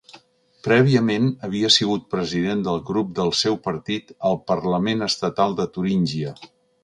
Prèviament havia sigut president del grup del seu partit al Parlament Estatal de Turíngia.